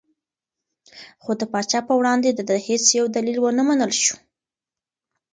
خو د پاچا په وړاندې د ده هېڅ یو دلیل ونه منل شو.